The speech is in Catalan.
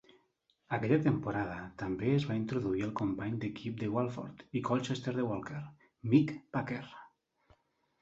Aquella temporada també es va introduir el company d'equip de Watford i Colchester de Walker, Mick Packer.